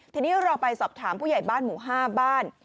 ทีนี้เราไปสอบถามผู้ใหญ่บ้านหมู่๕บ้าน